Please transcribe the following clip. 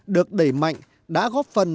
được đẩy mạnh đã góp phần